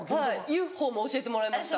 『ＵＦＯ』も教えてもらいました。